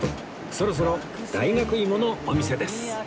そろそろ大学芋のお店です